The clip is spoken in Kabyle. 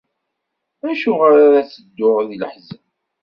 Acuɣer ara ttedduɣ di leḥzen.